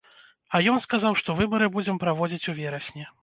А ён сказаў, што выбары будзем праводзіць у верасні.